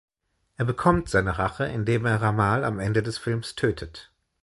Er bekommt seine Rache indem er Ramal am Ende des Films tötet.